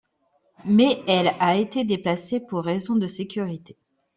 Mais elle a été déplacée pour raison de sécurité.